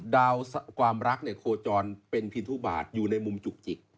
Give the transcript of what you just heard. ดาวความรักเนี่ยโคจรเป็นพิธุบาทอยู่ในมุมจุกจิก